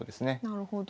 なるほど。